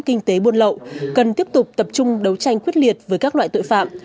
kinh tế buôn lậu cần tiếp tục tập trung đấu tranh quyết liệt với các loại tội phạm